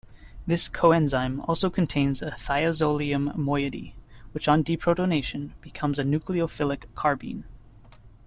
This coenzyme also contains a thiazolium moiety, which on deprotonation becomes a nucleophilic carbene.